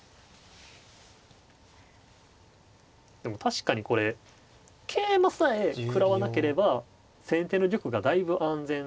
でも確かにこれ桂馬さえ食らわなければ先手の玉がだいぶ安全なんですね。